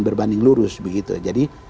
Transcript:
berbanding lurus jadi